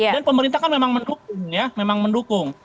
dan pemerintah kan memang mendukung ya memang mendukung